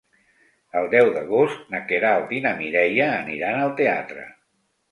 El deu d'agost na Queralt i na Mireia aniran al teatre.